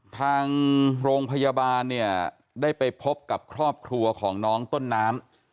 ทางโรงพยาบาลเนี่ยได้ไปพบกับครอบครัวของน้องต้นน้ำ